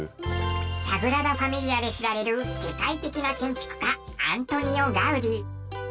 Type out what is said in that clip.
サグラダ・ファミリアで知られる世界的な建築家アントニオ・ガウディ。